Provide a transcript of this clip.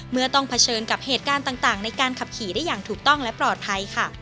เมื่อต้องเผชิญกับเหตุการณ์ต่างในการขับขี่ได้อย่างถูกต้องและปลอดภัยค่ะ